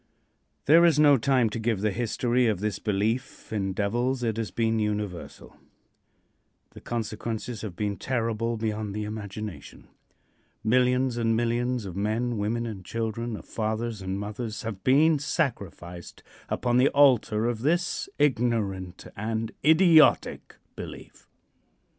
There is no time to give the history of this belief in devils. It has been universal. The consequences have been terrible beyond the imagination. Millions and millions of men, women and children, of fathers and mothers, have been sacrificed upon the altar of this ignorant and idiotic belief.